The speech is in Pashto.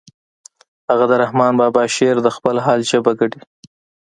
هغه د رحمن بابا شعر د خپل حال ژبه ګڼي